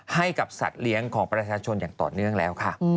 ให้กับสัตว์เลี้ยงของประชาชนอย่างต่อเนื่องแล้วค่ะ